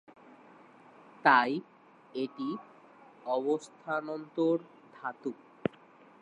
তাই, এটি অবস্থান্তর ধাতু।